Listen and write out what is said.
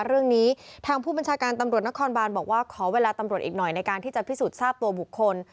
เรื่องนี้ทางผู้บัญชาการตำรวจนครบานบอกว่าขอเวลาตำรวจอีกหน่อยในการที่จะพิสูจน์ทราบตัวบุคคล